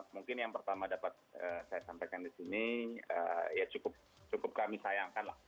mungkin yang pertama dapat saya sampaikan di sini ya cukup kami sayangkan lah